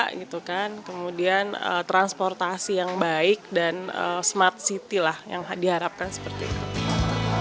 kemudian transportasi yang baik dan smart city lah yang diharapkan seperti itu